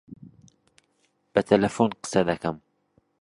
بە تەلەفۆن قسە دەکەم.